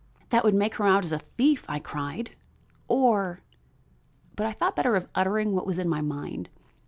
"That would make her out a thief," I cried, "or " but I thought better of uttering what was in my mind.